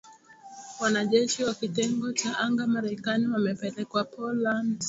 Wanajeshi wa kitengo cha anga Marekani wamepelekwa Poland.